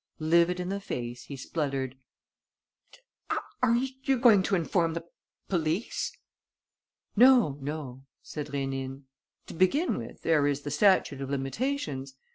Livid in the face, he spluttered: "Are you going to inform the police?" "No, no," said Rénine. "To begin with, there is the statute of limitations.